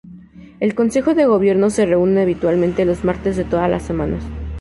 El Consejo de Gobierno se reúne habitualmente los martes de todas las semana.